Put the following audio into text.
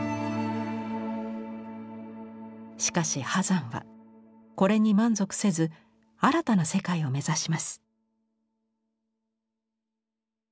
しかし波山はこれに満足せず新たな世界を目指します。